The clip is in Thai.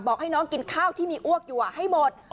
ให้น้องกินข้าวที่มีอ้วกอยู่ให้หมด